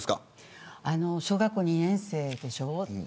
小学２年生でしょ。